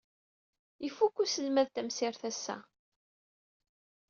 Ifukk uselmad tamsirt ass-a.